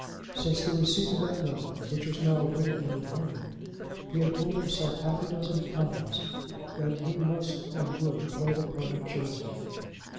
Since the receipt of that letter, which was now awaiting him at home, he had told himself half a dozen times that he must and would play the part of Joseph.